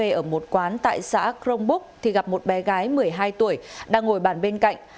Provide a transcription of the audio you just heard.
trong khi uống cà phê ở một quán tại xã crong book gặp một bé gái một mươi hai tuổi đang ngồi bàn bên cạnh